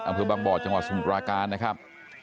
อำเภอบางบ่อจังหวัดสมุทราการนะครับ